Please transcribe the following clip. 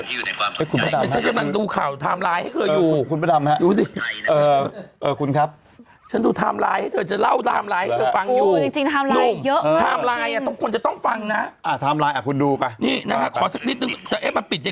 อยู่ในความคุณพดัมดูข่าวไทม์ไลน์ให้คุณพดัมดูสิคุณครับก็จะล่าวไทม์ไลน์คุณปินยังไงก่อนดีกว่า